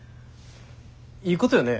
いいことよね。